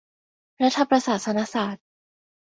รัฐประศาสนศาสตร์